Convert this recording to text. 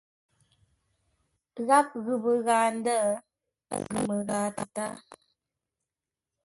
Gháp ghʉ məghaa ndə̂, ə́ ngʉ̌ məghaa tətáa.